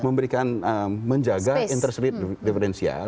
memberikan menjaga interest rate diferential